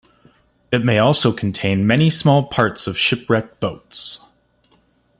It may also contain many small parts of shipwrecked boats.